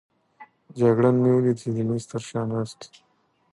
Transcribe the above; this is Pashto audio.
جګړن مې ولید چې د مېز تر شا ناست وو.